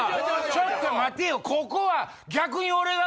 ちょっと待てよ！